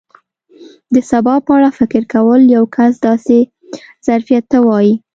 د سبا په اړه فکر کول یو کس داسې ظرفیت ته وایي.